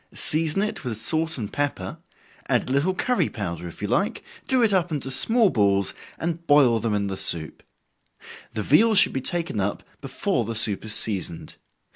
Season it with salt and pepper add a little curry powder if you like, do it up into small balls, and boil them in the soup. The veal should be taken up before the soup is seasoned.